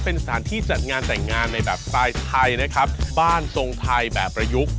เป็นสถานที่จัดงานแต่งงานในแบบสไตล์ไทยนะครับบ้านทรงไทยแบบประยุกต์